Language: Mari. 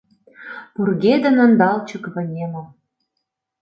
Пургедын ондалчык вынемым.